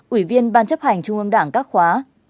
ủy viên ban chấp hành trung ương đảng các khóa ba bốn năm sáu bảy tám